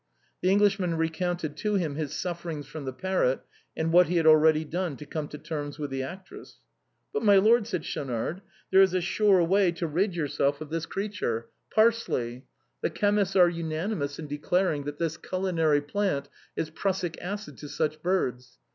The Englishman recounted to him his sufferings from the parrot, and what he had already done to come to terms with the actress. " But, milord," said Schaunard, " there is a sure way to rid yourself of this creature — parsley. The chemists are unanimous in declaring that this culinary plant is prussic acid to such birds.